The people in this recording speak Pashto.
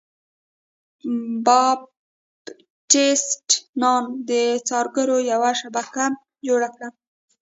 باپټیست نان د څارګرو یوه شبکه جوړه کړه.